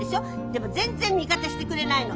でも全然味方してくれないの。